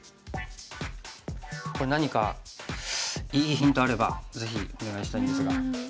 これ何かいいヒントあればぜひお願いしたいんですが。